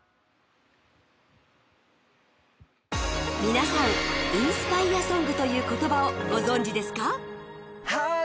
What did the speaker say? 皆さんインスパイアソングという言葉をご存じですか。